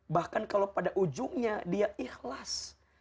bahkan kalau pada ujungnya dia ikhlas